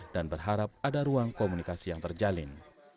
berharap ada ruang komunikasi yang terjalin